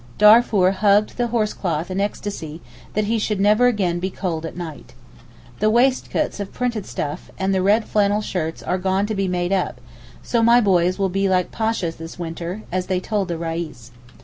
Darfour hugged the horsecloth in ecstasy that he should never again be cold at night. The waistcoats of printed stuff, and the red flannel shirts are gone to be made up, so my boys will be like Pashas this winter, as they told the Reis.